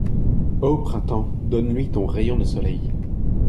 O printemps ! donne-lui ton rayon de soleil !